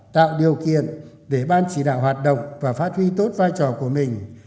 tạo điều kiện để ban chỉ đạo hoạt động và phát huy tốt vai trò của mình